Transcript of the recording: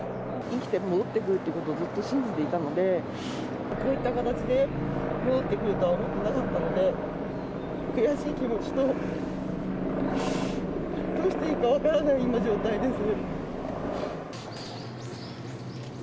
生きて戻ってくるってことを、ずっと信じていたので、こういった形で戻ってくるとは思ってなかったので、悔しい気持ちと、どうしていいか分からない状態です。